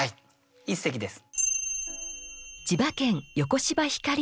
一席です。